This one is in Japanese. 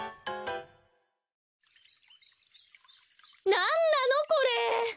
なんなのこれ！